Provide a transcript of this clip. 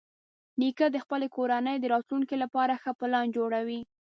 نیکه د خپلې کورنۍ د راتلونکي لپاره ښه پلان جوړوي.